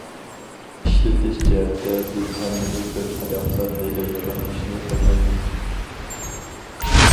ئىشلىتىش جەھەتتە، بىز« ھەممىنى بىر تاياقتا ھەيدەيدىغان» ئىشنى قىلمايمىز.